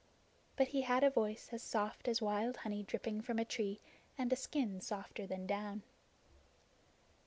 But he had a voice as soft as wild honey dripping from a tree, and a skin softer than down.